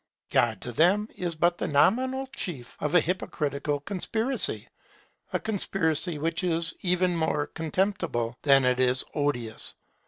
God to them is but the nominal chief of a hypocritical conspiracy, a conspiracy which is even more contemptible than it is odious.